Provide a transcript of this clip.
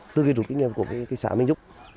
tư kỷ rụt kinh nghiệm của cái xã mình giúp